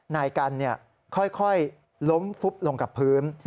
นายกันค่อยล้มฟุบลงกับพื้น